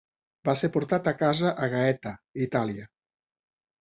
Va ser portat a casa a Gaeta, Itàlia.